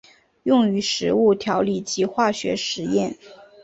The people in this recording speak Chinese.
用于食物调理及化学实验。